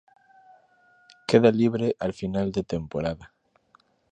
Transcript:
Queda libre al final de temporada.